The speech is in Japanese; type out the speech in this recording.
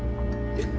えっ。